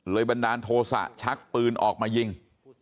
บันดาลโทษะชักปืนออกมายิง